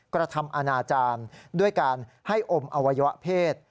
กระทำอนาจารย์ด้วยการให้อมอวัยวะเพศ